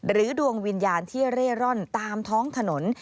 ดวงวิญญาณที่เร่ร่อนตามท้องถนน